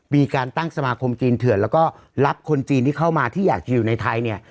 มีการตั้งสมาคมจีนเถื่อนแล้วก็รับคนจีนที่เข้ามาที่อยากจะอยู่ในไทยเนี่ย